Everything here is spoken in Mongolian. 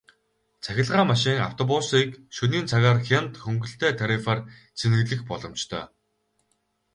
Цахилгаан машин, автобусыг шөнийн цагаар хямд хөнгөлөлттэй тарифаар цэнэглэх боломжтой.